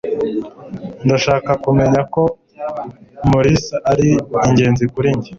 Ndashaka ko umenya ko Mulisa ari ingenzi kuri njye.